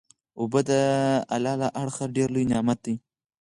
اوبه د الله له اړخه ډیر لوئ نعمت دی